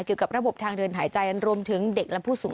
เกี่ยวกับระบบทางเดินหายใจรวมถึงเด็กและผู้สูง